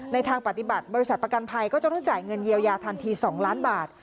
ทางปฏิบัติบริษัทประกันภัยก็จะต้องจ่ายเงินเยียวยาทันที๒ล้านบาท